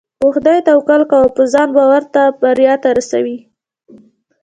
په خدای توکل کوه او په ځان باور تا برياليتوب ته رسوي .